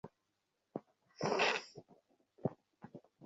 আমি তোমাকে মন থেকেই চিনি।